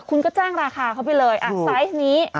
คุณก็แจ้งราคาเขาไปเลยไซส์นี้